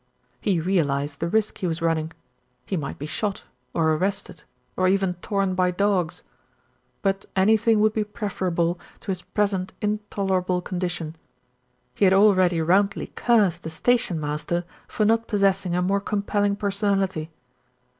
He realised the risk he was running. He might be shot, or arrested, or even torn by dogs; but any thing would be preferable to his present intolerable condition. He had already roundly cursed the station master for not possessing a more compelling person ality.